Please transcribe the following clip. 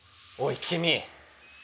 おいきみ！